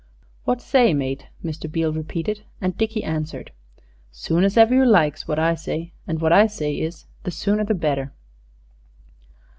"What say, mate?" Mr. Beale repeated; and Dickie answered "Soon as ever you like's what I say. And what I say is, the sooner the better."